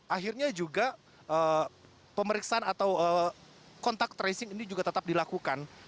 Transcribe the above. akhirnya juga pemeriksaan atau kontak tracing ini juga tetap dilakukan